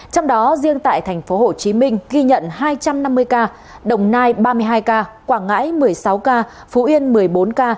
trong đó riêng tại tp hcm ghi nhận hai trăm năm mươi ca đồng nai ba mươi hai ca quảng ngãi một mươi sáu ca phú yên một mươi bốn ca